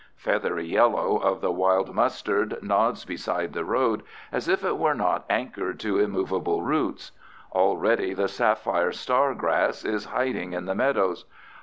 Feathery yellow of the wild mustard nods beside the road as if it were not anchored to immovable roots. Already the sapphire star grass is hiding in the meadows.